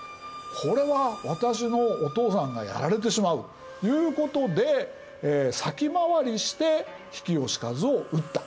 『これは私のお父さんがやられてしまう』ということで先回りして比企能員を討った。